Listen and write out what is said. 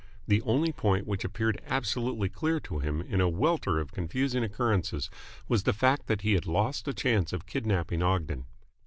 The only point which appeared absolutely clear to him in a welter of confusing occurrences was the fact that he had lost the chance of kidnapping Ogden.